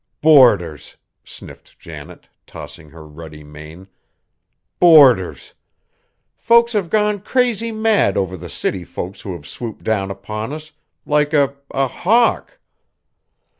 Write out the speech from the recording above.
"Boarders!" sniffed Janet, tossing her ruddy mane; "boarders! Folks have gone crazy mad over the city folks who have swooped down upon us, like a a hawk!